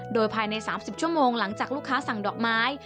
โดยภายใน๓๐ชั่วโมงหลังจากลูกค้าสั่งดอกไม้